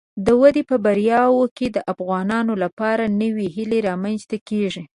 د دوی په بریاوو کې د افغانانو لپاره نوې هیله رامنځته کیږي.